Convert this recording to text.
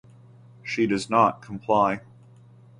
She does not comply.